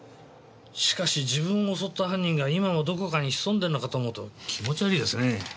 しかし自分を襲った犯人が今もどこかに潜んでるのかと思うと気持ち悪いですね。